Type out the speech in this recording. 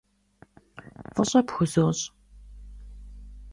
F'ış'e pxuzoş'.